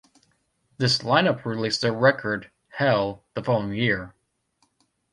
This lineup released the record "Hell" the following year.